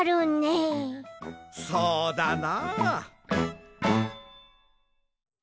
そうだな。